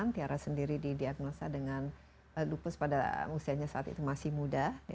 tiara sendiri didiagnosa dengan lupus pada usianya saat itu masih muda